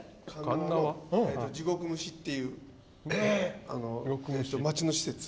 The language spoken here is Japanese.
地獄蒸しっていう街の施設。